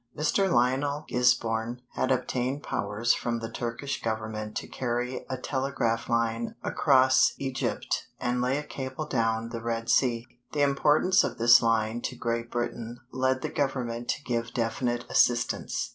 _ Mr. Lionel Gisborne had obtained powers from the Turkish Government to carry a telegraph line across Egypt and lay a cable down the Red Sea. The importance of this line to Great Britain led the Government to give definite assistance.